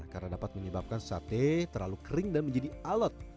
karena dapat menyebabkan sate terlalu kering dan menjadi alat